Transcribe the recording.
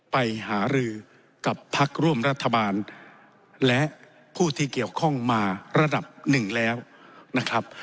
ไปหารือกับพักร่วมรัฐบาลและผู้ที่เกี่ยวข้องมาระดับหนึ่งแล้วนะครับ